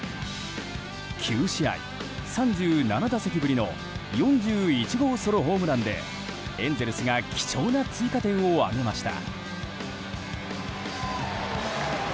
９試合３７打席ぶりの４１号ソロホームランでエンゼルスが貴重な追加点を挙げました。